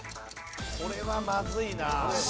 これはまずいな。